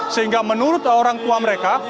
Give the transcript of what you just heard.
sehingga menurut orang tua mereka